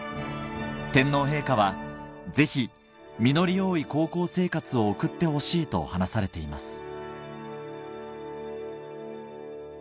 天皇陛下は「ぜひ実り多い高校生活を送ってほしい」と話されています